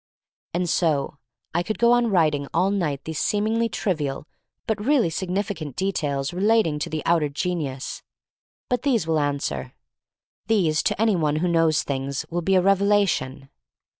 And so — I could go on writing all night these seemingly trivial but really significant details relating to the outer genius. But these will answer. These to any one who knows things will be a revelation.